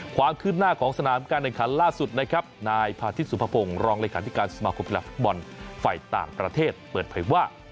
ความขึ้นหน้าของสนามการในขันล่าสุดนะครับนายพาธิตสุภพงศ์รองรายการที่การสุภาคมพยาบาลฟุตมันไฟต่างประเทศเปิดไพร่ว่า